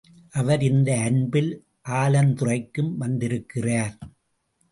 அவர் இந்த அன்பில் ஆலந்துறைக்கும் வந்திருக்கிறார்.